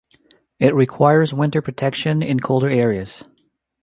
It requires winter protection in colder areas.